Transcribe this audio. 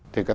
thì các ta